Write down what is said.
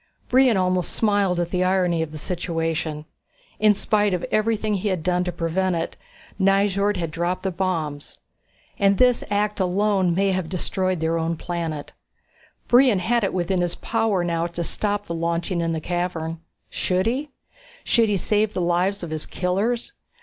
Brion almost smiled at the irony of the situation. In spite of everything he had done to prevent it, Nyjord had dropped the bombs. And this act alone may have destroyed their own planet. Brion had it within his power now to stop the launching in the cavern. Should he? Should he save the lives of his killers?